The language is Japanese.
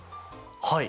はい。